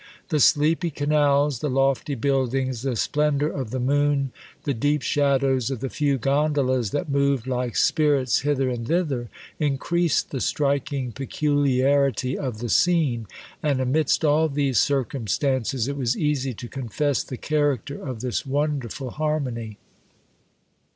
The sleepy canals, the lofty buildings, the splendour of the moon, the deep shadows of the few gondolas that moved like spirits hither and thither, increased the striking peculiarity of the scene, and amidst all these circumstances it was easy to confess the character of this wonderful harmony.